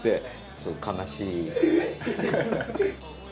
すごく悲しい。